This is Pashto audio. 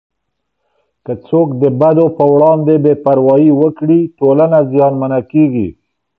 که څوک د بدو په وړاندې بې پروايي وکړي، ټولنه زیانمنه کېږي.